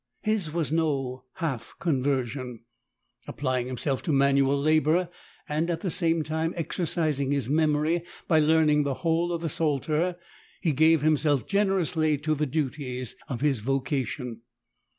His was no half conversion. Ap plying himself to manual labor, and at the same time exer cising his memory by learning the whole of the Psalter, he gave himself generously to the duties of his vocation.